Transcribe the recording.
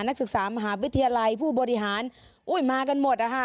นักศึกษามหาวิทยาลัยผู้บริหารอุ้ยมากันหมดนะคะ